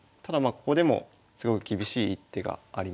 ここでもすごく厳しい一手があります。